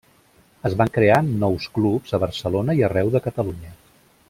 Es van crear nous clubs a Barcelona i arreu de Catalunya.